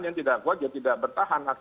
yang tidak kuat ya tidak bertahan